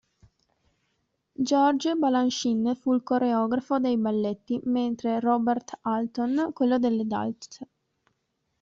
George Balanchine fu il coreografo dei balletti, mentre Robert Alton quello delle danze.